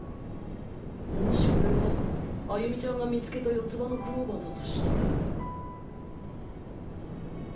もしこれが歩美ちゃんが見つけた四つ葉のクローバーだとしたら